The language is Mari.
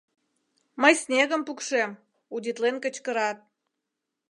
— Мый снегым пукшем! — удитлен кычкырат.